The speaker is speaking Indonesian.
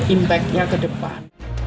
impactnya ke depan